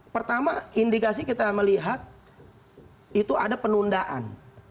pertama indikasi kita melihat itu ada penundaan